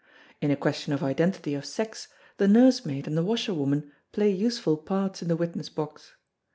In a question of identity of sex the nursemaid and the washerwoman play useful parts in the witness box.